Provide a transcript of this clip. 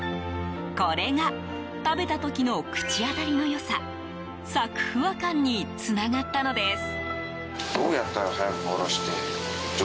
これが食べた時の口当たりの良さサクフワ感につながったのです。